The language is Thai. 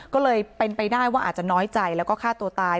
ก็เลยเป็นไปได้ว่าอาจจะน้อยใจแล้วก็ฆ่าตัวตาย